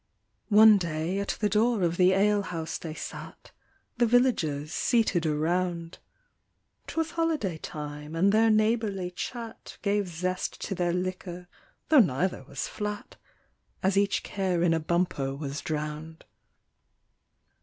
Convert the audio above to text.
One day at the door of the alehouse they sat, The villagers seated around ; 'Twas holiday time, and their neighbourly chat Gave zest to their liquor, tho' neither was flat, As each care in a bumper was drown' d.